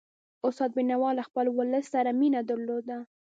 استاد بينوا له خپل ولس سره مینه درلودله.